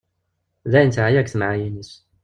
D ayen teɛya deg temɛayin-is.